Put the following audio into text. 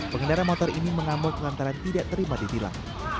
pengendara motor ini mengamuk kelantaran tidak terima di tilak